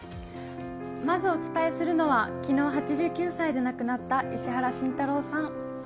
まずお伝えするのは昨日８９歳で亡くなった石原慎太郎さん。